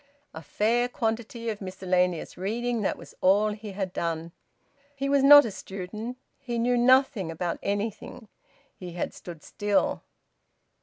A fair quantity of miscellaneous reading that was all he had done. He was not a student. He knew nothing about anything. He had stood still.